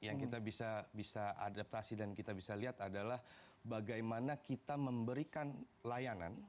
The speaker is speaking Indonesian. yang kita bisa adaptasi dan kita bisa lihat adalah bagaimana kita memberikan layanan